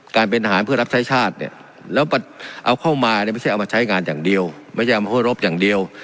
การเป็นทหารเพื่อรับใช้ชาติเนี่ยแล้วเอาเข้ามาเนี่ยไม่ใช่เอามาใช้งานอย่างเดียวไม่ใช่เอามาโฆรบอย่างเดียว